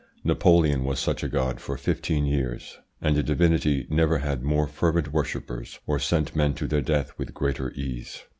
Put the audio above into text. Napoleon was such a god for fifteen years, and a divinity never had more fervent worshippers or sent men to their death with greater ease.